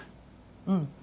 うん。